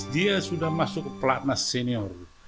dia sudah masuk ke pelatnas senior